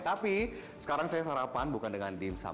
tapi sekarang saya sarapan bukan dengan dimsum